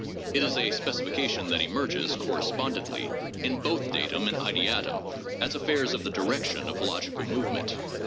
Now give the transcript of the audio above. It is a specification that emerges, correspondently, in both datum and ideatum, as affairs of the direction of logical move ment.